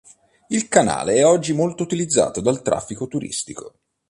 Il canale è oggi molto utilizzato dal traffico turistico.